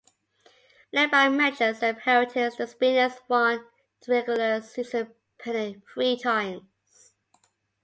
Led by manager Zeb Harrington, the Spinners won the regular season pennant three times.